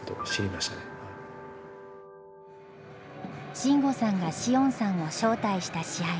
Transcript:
慎吾さんが詩音さんを招待した試合。